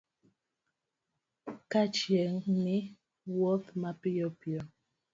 Ka chiegni wuoth mapiyo piyo